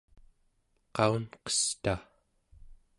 qaunqesta